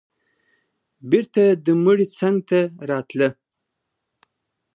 بېرته د مړي څنگ ته راتله.